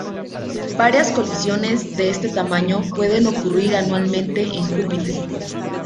Varias colisiones de este tamaño pueden ocurrir anualmente en Júpiter.